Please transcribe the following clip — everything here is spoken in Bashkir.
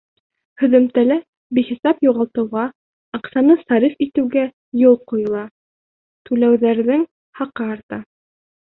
Һөҙөмтәлә бихисап юғалтыуға, аҡсаны сарыф итеүгә юл ҡуйыла, түләүҙәрҙең хаҡы арта.